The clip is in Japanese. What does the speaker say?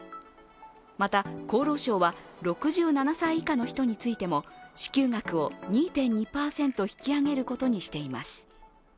また厚労省は６７歳以下の人についても、支給額を２．２％引き上げることにしています。